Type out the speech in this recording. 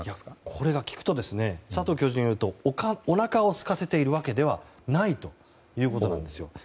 これが聞くと佐藤教授によるとおなかをすかせているわけではないということなんです。